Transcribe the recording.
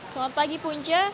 selamat pagi punca